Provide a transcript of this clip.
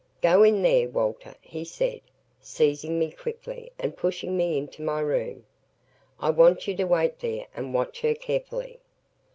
"Go in there, Walter," he said, seizing me quickly and pushing me into my room. "I want you to wait there and watch her carefully."